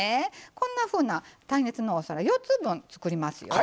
こんなふうな耐熱のお皿４つ分作りますよ。